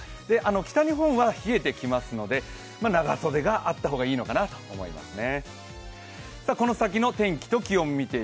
北日本は冷えてきますので長袖があった方がいいのかなと思いますね。